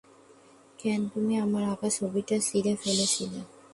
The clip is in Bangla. কেন তুমি আমার আঁকা ছবিটা ছিঁড়ে ফেলেছিলে?